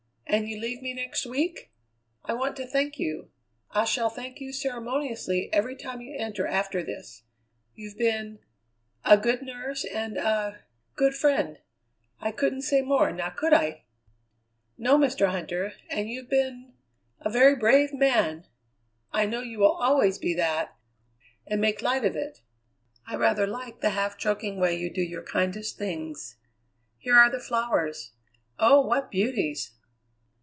And you leave me next week? I want to thank you. I shall thank you ceremoniously every time you enter after this. You've been a good nurse and a good friend. I couldn't say more, now could I?" "No, Mr. Huntter. And you've been a very brave man! I know you will always be that, and make light of it. I rather like the half joking way you do your kindest things. Here are the flowers! Oh, what beauties!"